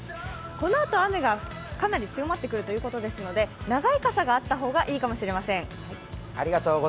このあと雨がかなり強まってくるということですので、長い傘があった方がいいかもしれません。